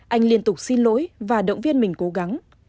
anh liên tục xin lỗi và động viên mình cố gắng